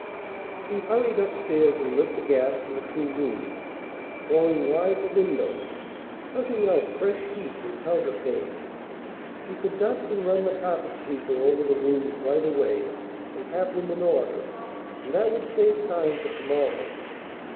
She hurried up stairs, and lit the gas in the two rooms, throwing wide the windows, hunting out fresh sheets and counterpanes. She could dust and run the carpet sweeper over the rooms right away, and have them in order; and that would save time for to morrow.